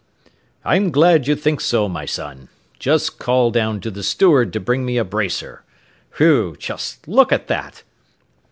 "I'm glad you think so, my son. Just call down to the steward to bring me a bracer. Whew, just look at that!"